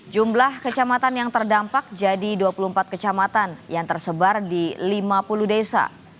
jumlah kecamatan yang terdampak jadi dua puluh empat kecamatan yang tersebar di lima puluh desa